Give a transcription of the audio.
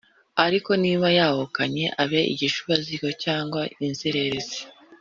Ariko niba yahukanye abe igishubaziko cyangwa inzererezi